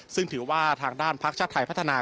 ซึ่งถือว่าทางด้านพักชาติไทยพัฒนา